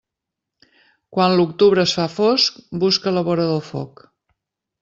Quan l'octubre es fa fosc, busca la vora del foc.